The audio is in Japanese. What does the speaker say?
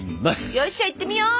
よっしゃ行ってみよう！